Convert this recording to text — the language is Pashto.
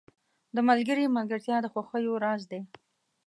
• د ملګري ملګرتیا د خوښیو راز دی.